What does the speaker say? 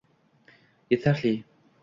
Yetarli.